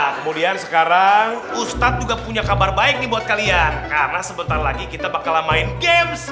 kemudian sekarang ustadz juga punya kabar baik buat kalian karena sebentar lagi kita bakal main game